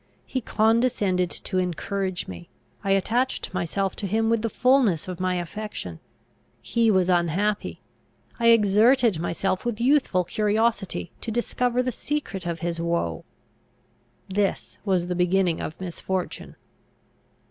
He condescended to encourage me; I attached myself to him with the fulness of my affection. He was unhappy; I exerted myself with youthful curiosity to discover the secret of his woe. This was the beginning of misfortune.